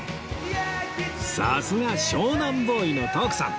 さすが湘南ボーイの徳さん